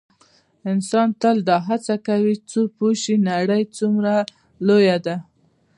انسان تل دا هڅه کړې څو پوه شي نړۍ څومره لویه ده.